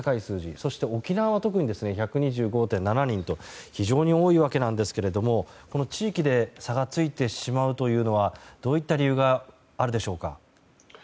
そして、沖縄は特に１２５．７人と非常に多いわけですが地域で差がついてしまうのはどういった理由があるでしょうか。